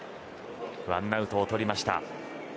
ワンアウトをとりました。